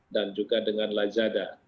dan juga dengan lazada